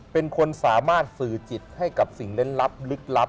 เป็นคนสามารถสื่อจิตให้กับสิ่งเล่นลับลึกลับ